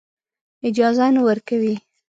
اجازه نه ورکوي.